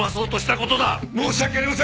申し訳ありません！